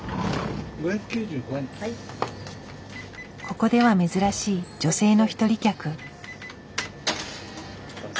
ここでは珍しい女性の一人客。